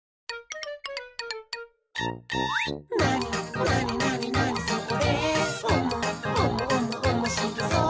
おもしろそう！」